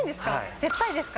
絶対ですか？